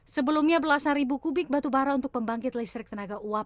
sebelumnya belasan ribu kubik batubara untuk pembangkit listrik tenaga uap